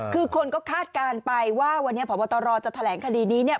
คือคนก็คาดการณ์ไปว่าวันนี้พบตรจะแถลงคดีนี้เนี่ย